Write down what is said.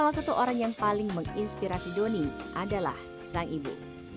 salah satu orang yang paling menginspirasi doni adalah sang ibu